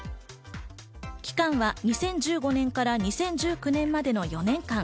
期間は２０１５年から２０１９年までの４年間。